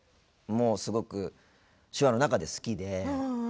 すごく手話の中で好きで。